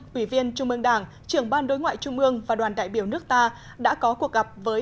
quỷ viên trung ương đảng trưởng ban đối ngoại trung ương và đoàn đại biểu nước ta đã có cuộc gặp với